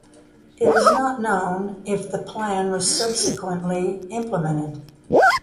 It is not known if the plan was subsequently implemented.